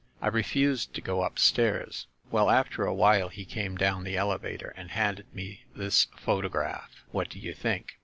I refused to go up stairs. Well, after a while he came down the elevator and handed me this photograph. What do you think?"